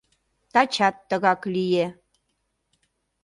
Тачат тыгак лие.